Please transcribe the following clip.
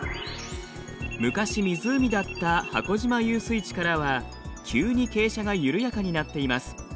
昔湖だった母子島遊水地からは急に傾斜が緩やかになっています。